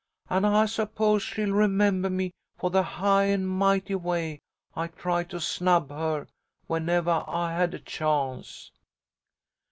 And I suppose she'll remembah me for the high and mighty way I tried to snub her whenevah I had a chance."